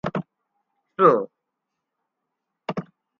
Cpl.